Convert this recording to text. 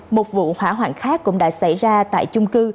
một vụ hỏa hoạn khác cũng đã xảy ra tại chung cư